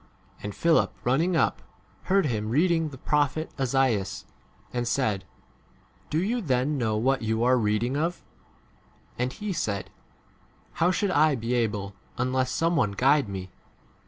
And Philip, running up, heard him reading the prophet Esaias, and said, Do you then know what you are reading 31 of ? And he said, How should I be able unless some one guide me